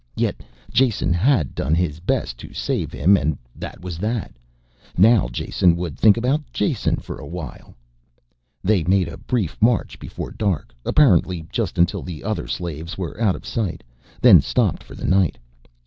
Yet Jason had done his best to save him and that was that. Now Jason would think about Jason for a while. They made a brief march before dark, apparently just until the other slaves were out of sight, then stopped for the night.